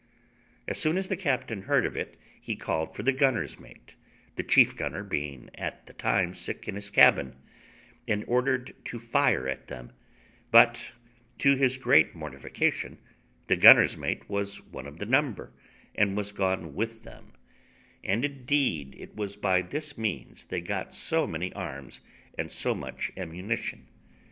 As soon as the captain heard of it he called for the gunner's mate, the chief gunner being at the time sick in his cabin, and ordered to fire at them; but, to his great mortification, the gunner's mate was one of the number, and was gone with them; and indeed it was by this means they got so many arms and so much ammunition.